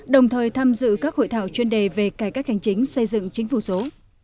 đồng thời tham dự các hội thảo chuyên đề về cải cách hành chính xây dựng chính phủ số